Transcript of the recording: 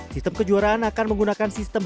sistem kejuaraan akan menggunakan sistem